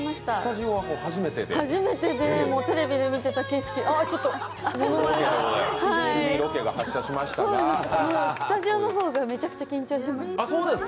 初めてで、テレビで見てた景色、ああちょっと、ものまねがスタジオの方がめちゃくちゃ緊張します。